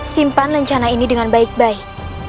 simpan lencana ini dengan baik baik